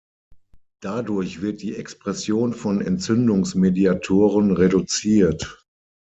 Dadurch wird die Expression von Entzündungsmediatoren reduziert.